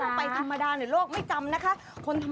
แม่น้ำอะไรอ่ะคะ